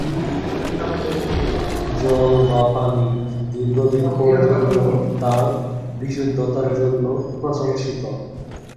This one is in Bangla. জল বা পানি দীর্ঘদিন পর্যন্ত তার বিশুদ্ধতা জন্য প্রশংসিত।